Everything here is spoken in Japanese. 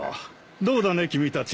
どうだね君たち。